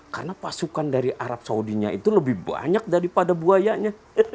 karena pasukan dari arab saudinya itu lebih banyak daripada buayanya